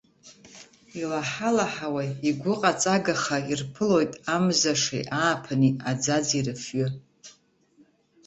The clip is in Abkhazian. Илаҳа-лаҳауа, игәыҟаҵагаха ирԥылоит амзашеи, ааԥыни, аӡаӡеи рыфҩы.